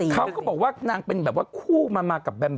เขาก็บอกว่านางเป็นแบบว่าคู่มากับแบม